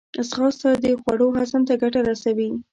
ځغاسته د خوړو هضم ته ګټه رسوي